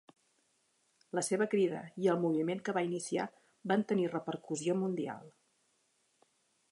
La seva crida i el moviment que va iniciar van tenir repercussió mundial.